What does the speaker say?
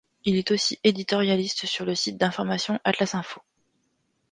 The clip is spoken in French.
Il est aussi éditorialiste sur le site d'information AtlasInfo.